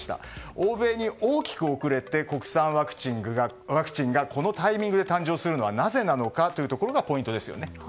欧米に大きく遅れて国産ワクチンがこのタイミングで誕生するのはなぜなのかがポイントですね。